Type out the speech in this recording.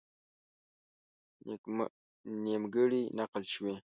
نیمګړې نقل شوې.